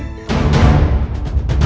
ya mbak jamrong